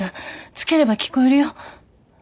つければ聞こえるよ。